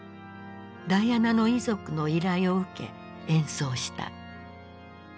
ダイアナの遺族の依頼を受け演奏した。